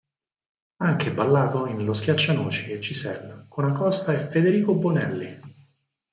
Ha anche ballato in "Lo schiaccianoci" e "Giselle", con Acosta e Federico Bonelli.